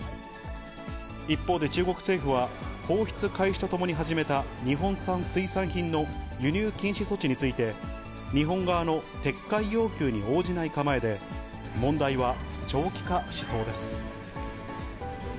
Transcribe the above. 一方で中国政府は、放出開始とともに始めた日本産水産品の輸入禁止措置について、日本側の撤回要求に応じない構えで、問題は長期化しそうです。